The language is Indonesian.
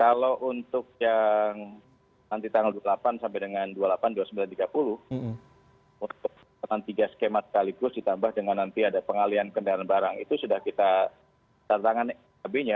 ya kalau untuk yang nanti tanggal dua puluh delapan sampai dengan dua puluh delapan dua puluh sembilan tiga puluh untuk tiga skemat sekaligus ditambah dengan nanti ada pengalian kendaraan barang itu sudah kita tatangan